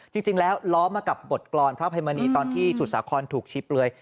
จริงแล้วล้อมากับบทกรรมพระอภัยมณีตอนที่สุดสาครถูกชี้เปลือย